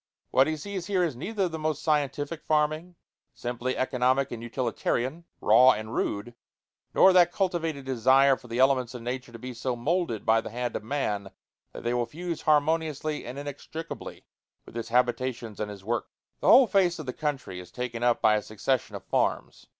What he sees here is neither the most scientific farming, simply economic and utilitarian raw and rude nor that cultivated desire for the elements in nature to be so moulded by the hand of man that they will fuse harmoniously and inextricably with his habitations and his work. The whole face of the country is taken up by a succession of farms.